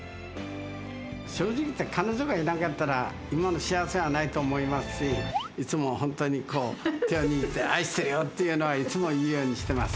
正直言って、彼女がいなかったら、今の幸せはないと思いますし、いつも本当にこう、手を握って愛してるよっていうのは、いつも言うようにしてます。